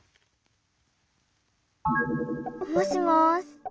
もしもし。